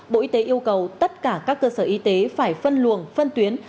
bộ y tế yêu cầu tất cả các cơ sở y tế phải phân luồng phân tuyến